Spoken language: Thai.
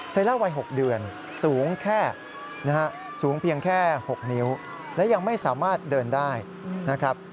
ล่าวัย๖เดือนสูงแค่สูงเพียงแค่๖นิ้วและยังไม่สามารถเดินได้นะครับ